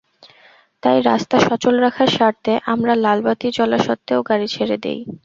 তাই রাস্তা সচল রাখার স্বার্থে আমরা লালবাতি জ্বলা সত্ত্বেও গাড়ি ছেড়ে দিই।